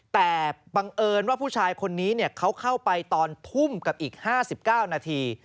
แต่บังเอิญว่าผู้ชายคนนี้เขาเข้าไปตอนทุ่มกับอีก๕๙นาที